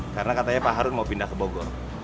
karena katanya pak harun mau pindah ke bogor